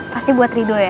pasti buat rido ya